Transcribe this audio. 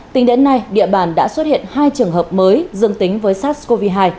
tính đến nay địa bàn đã xuất hiện hai trường hợp mới dương tính với sars cov hai